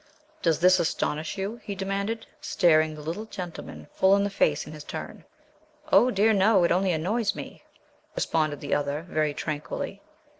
"Does this astonish you?" he demanded, staring the little gentleman full in the face in his turn. "Oh, dear, no! it only annoys me," responded the other, very tranquilly.